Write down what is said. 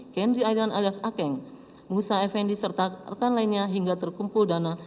kenry aidan alias akeng musa effendi serta rekan lainnya hingga terkumpul dana